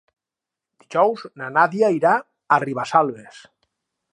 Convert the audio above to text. Dijous na Nàdia irà a Ribesalbes.